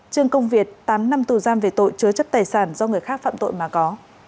trương công việt tám năm tù giam về tội chứa chấp tài sản do người khác phạm tội mà có